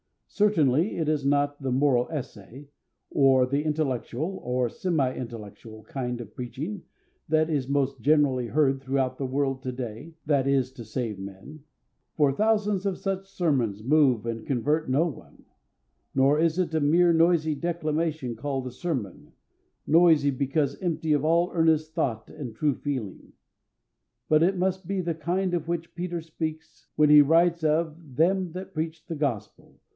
Certainly, it is not the moral essay, or the intellectual, or semi intellectual, kind of preaching that is most generally heard throughout the world to day, that is to save men; for thousands of such sermons move and convert no one: nor is it a mere noisy declamation called a sermon noisy because empty of all earnest thought and true feeling; but it must be the kind of which Peter speaks when he writes of "them that preached the Gospel